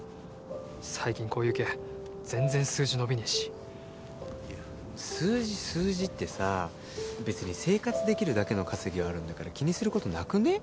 最近こういう系全然数字伸びねぇしいや数字数字ってさぁ別に生活できるだけの稼ぎはあるんだから気にすることなくね？